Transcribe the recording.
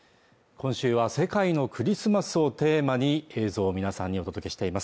今週は世界のクリスマスをテーマに映像を皆さんにお届けしています